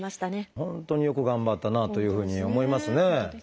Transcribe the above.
本当によく頑張ったなというふうに思いますね。